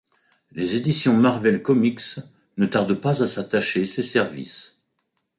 Les éditions Marvel Comics ne tardent pas à s'attacher ses services.